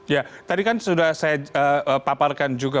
ya tadi kan sudah saya paparkan juga